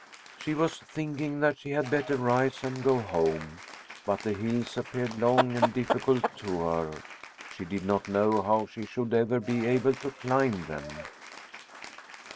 She was thinking that she had better rise and go home, but the hills appeared long and difficult to her. She didn't know how she should ever be able to climb them.